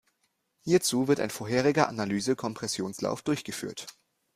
Hierzu wird ein vorheriger Analyse-Kompressionslauf durchgeführt.